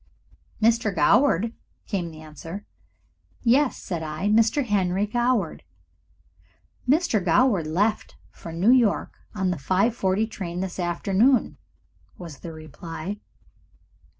"Mr. Goward!" came the answer. "Yes," said I. "Mr. Henry Goward." "Mr. Goward left for New York on the 5.40 train this afternoon," was the reply.